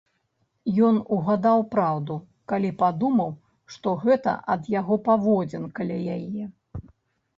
Ён угадаў праўду, калі падумаў, што гэта ад яго паводзін каля яе.